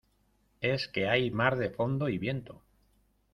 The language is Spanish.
es que hay mar de fondo y viento.